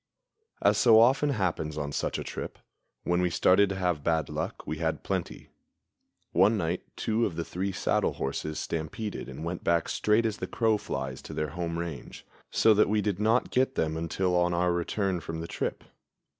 As so often happens on such a trip, when we started to have bad luck we had plenty. One night two of the three saddle horses stampeded and went back straight as the crow flies to their home range, so that we did not get them until on our return from the trip.